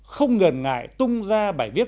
không ngờ ngại tung ra bài viết